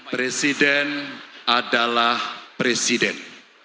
presiden adalah presiden